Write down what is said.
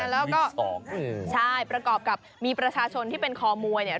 แล้วก็ใช่ประกอบกับมีประชาชนที่เป็นคอมวยเนี่ย